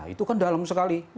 itu kan dalam sekali